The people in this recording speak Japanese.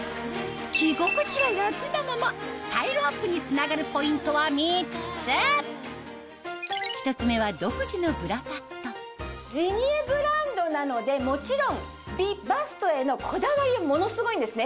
着心地は楽なままスタイルアップに繋がるポイントは３つ１つ目はジニエブランドなのでもちろん美バストへのこだわりがものすごいんですね。